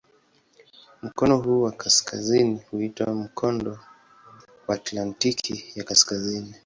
Mkono huu wa kaskazini huitwa "Mkondo wa Atlantiki ya Kaskazini".